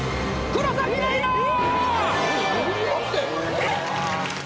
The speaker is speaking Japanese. えっ？